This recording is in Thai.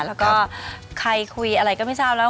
แล้วก็ใครคุยอะไรก็ไม่ทราบแล้ว